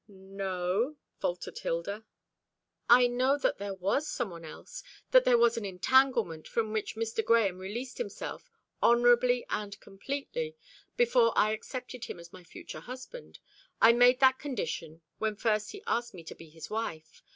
"No," faltered Hilda. "I know that there was some one else that there was an entanglement from which Mr. Grahame released himself, honourably and completely, before I accepted him as my future husband. I made that condition when first he asked me to be his wife.